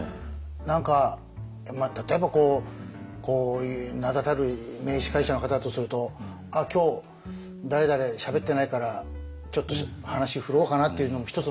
何か例えばこうこういう名だたる名司会者の方だとすると「あっ今日誰々しゃべってないからちょっと話振ろうかな」っていうのも一つの気遣いじゃないですか。